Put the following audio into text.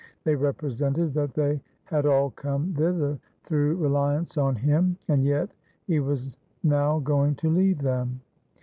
They represented that they had all come thither through reliance on him, and yet he was now going to leave them.